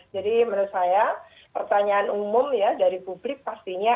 jadi menurut saya pertanyaan umum ya dari publik pastinya